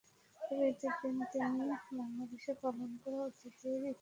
তবে ঈদের দিন তিনি বাংলাদেশে পালন করা অতীতের ঈদের স্মৃতিচারণা করেন।